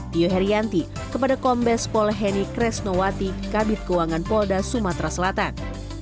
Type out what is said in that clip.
tio herianti kepada kombes pol heni kresnowati kabit keuangan polda sumatera selatan